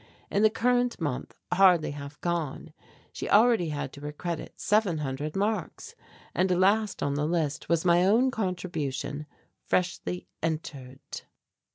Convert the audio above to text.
In the current month, hardly half gone, she already had to her credit seven hundred marks; and last on the list was my own contribution, freshly entered.